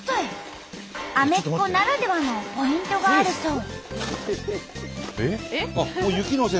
アメッコならではのポイントがあるそう。